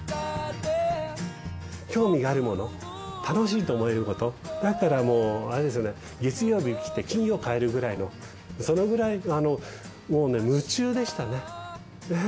興味があるもの楽しいと思えることだからもうあれですよね月曜日に来て金曜帰るくらいのそのくらいもう夢中でしたね。